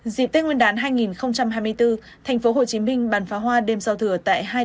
dịp tết nguyên đán hai nghìn hai mươi bốn tp hcm bàn phá hoa đêm do thừa tại hai địa điểm